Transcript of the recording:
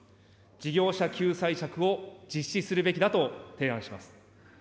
事業者救済策を実施するべきだと提案します。